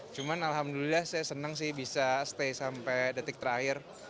cuman alhamdulillah saya senang sih bisa stay sampai detik terakhir